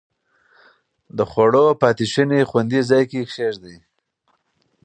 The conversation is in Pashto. د خوړو پاتې شوني خوندي ځای کې کېږدئ.